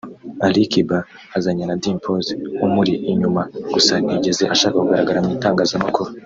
Ali Kiba azanye na Dimpoz (umuri inyuma) gusa ntiyigeze ashaka kugaragara mu itangazamakuru